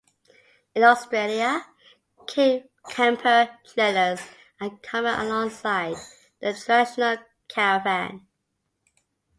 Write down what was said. In Australia, camper trailers are common alongside the traditional caravan.